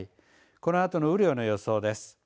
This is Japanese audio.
このあとの雨量の予想です。